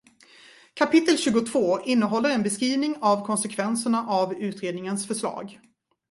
Kapitel tjugotvå innehåller en beskrivning av konsekvenserna av utredningens förslag.